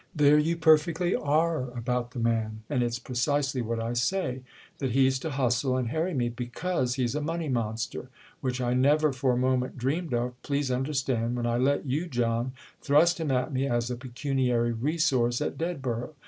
There you perfectly are about the man, and it's precisely what I say—that he's to hustle and harry me because he's a money monster: which I never for a moment dreamed of, please understand, when I let you, John, thrust him at me as a pecuniary resource at Dedborough.